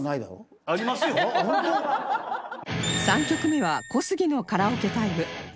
３曲目は小杉のカラオケタイム